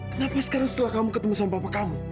kenapa sekarang setelah kamu ketemu sama bapak kamu